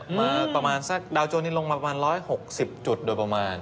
เมื่อประมาณสักดาวโจรนี้ลงประมาณ๑๖๐จุดโดยประมาณ